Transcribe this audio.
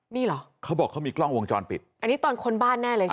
นี่เหรอเขาบอกเขามีกล้องวงจรปิดอันนี้ตอนค้นบ้านแน่เลยใช่ไหม